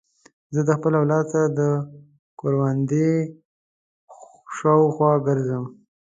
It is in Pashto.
زه د خپل اولاد سره د کوروندې شاوخوا ګرځم.